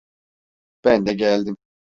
Ben de geldim.